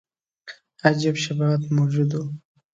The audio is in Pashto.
عجیب شباهت موجود وو.